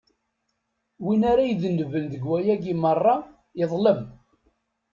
Win ara idenben deg wayagi meṛṛa, iḍlem.